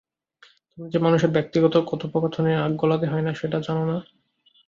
তুমি যে মানুষের ব্যক্তিগত কথোপকথনে না গলাতে হয় না সেটা জানো না?